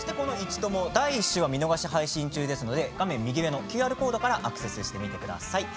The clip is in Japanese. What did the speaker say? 第１週は見逃し配信中ですので画面右上のＱＲコードからアクセスしてみてください。